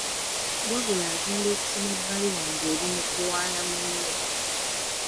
Wabula agenda okusoma ebbaluwa nga eri mu kuwaana munne.